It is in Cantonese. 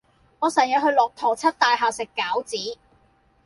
我成日去駱駝漆大廈食餃子